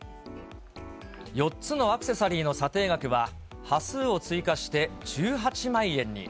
４つのアクセサリーの査定額は、端数を追加して１８万円に。